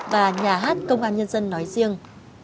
và nhà hát công an nhân dân nói riêng